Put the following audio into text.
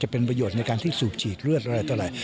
เป็นประโยชน์ในการที่สูบฉีกเลือดอะไรเท่าไหร่